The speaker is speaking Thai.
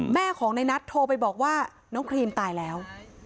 แม่ของในนัทโทรไปบอกว่าน้องครีมตายแล้ว